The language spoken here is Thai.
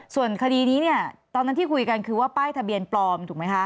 ส่วนคดีนี้เนี่ยตอนนั้นที่คุยกันคือว่าป้ายทะเบียนปลอมถูกไหมคะ